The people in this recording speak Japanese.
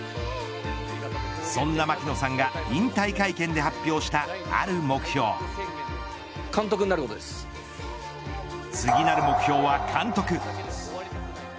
そんな槙野さんが引退会見で発表した次なる目標は監督。